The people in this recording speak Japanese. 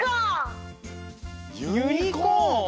ユニコーン？